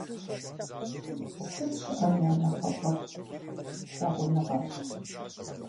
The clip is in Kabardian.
Сыт щыӀэм я нэхъыфӀыр? Лъагъуныгъэрщ!